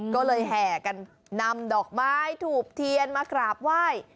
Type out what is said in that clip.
ก็เลยแห่กันนำดอกไม้ถูกเทียนมากราบไหว้